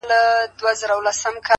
رانه هېريږي نه خيالونه هېرولاى نه ســم!